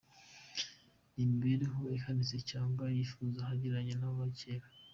n’imibereho ihanitse cyane y’abifite ugereranyije n’abakene.